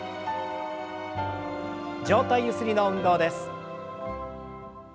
上体ゆすりの運動です。